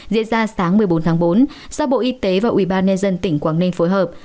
diễn ra sáng một mươi bốn tháng bốn do bộ y tế và ubnd tỉnh quảng ninh phối hợp